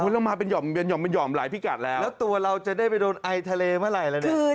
เรามาเป็นห่อมเป็นห่อมหลายพิกัดแล้วแล้วตัวเราจะได้ไปโดนไอทะเลเมื่อไหร่แล้วเนี่ย